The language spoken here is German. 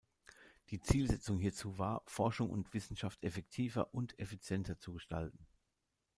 Die Zielsetzung hierzu war, Forschung und Wissenschaft effektiver und effizienter zu gestalten.